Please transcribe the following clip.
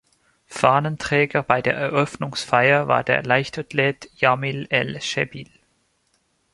Fahnenträger bei der Eröffnungsfeier war der Leichtathlet Jamil El-Shebli.